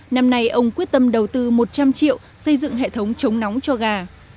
năm nay ông quyết tâm đầu tư một trăm linh triệu xây dựng hệ thống chống nóng cho gà